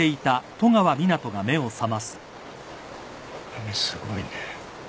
雨すごいね。